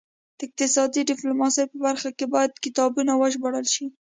د اقتصادي ډیپلوماسي په برخه کې باید کتابونه وژباړل شي